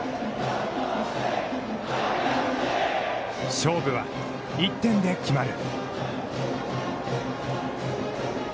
勝負は１点で決まる。